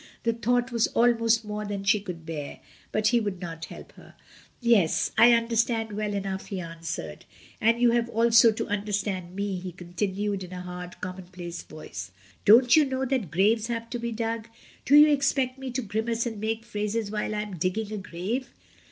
The thought was almost more than she could bear, but he would not help her. "Yes; I understand well enough," he answered; "and you have also to understand me," he con tinued, in a hard, commonplace voice. "Don't you know that graves have to be dug? Do you expect me to grimace and make phrases while I am digging a grave?"